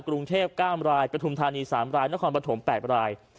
กรุงเทพก้ามรายประถุมธานีสามรายนครประถมแปดราย